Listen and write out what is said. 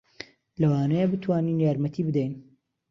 لەوانەیە بتوانین یارمەتی بدەین.